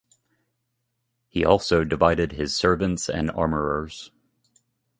He also divided his servants and armours.